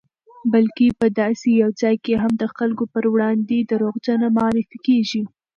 بلکې په داسې یو ځای کې هم د خلکو پر وړاندې دروغجن معرفي کېږي